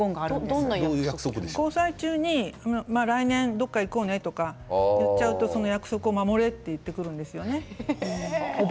交際中に来年どこか行こうねそう言っちゃうとその約束を守れと言ってくるんですね。